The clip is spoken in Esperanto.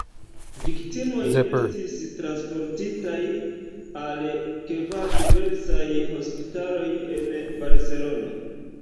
Viktimoj estis transportitaj al kvar diversaj hospitaloj en Barcelono.